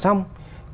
đấy là những cái